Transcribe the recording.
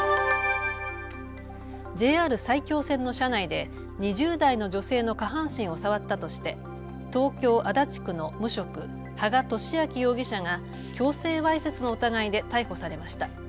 ＪＲ埼京線の車内で２０代の女性の下半身を触ったとして東京足立区の無職、羽賀聡明容疑者が強制わいせつの疑いで逮捕されました。